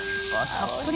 たっぷり。